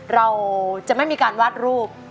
เราจะไม่มีการวาดรูป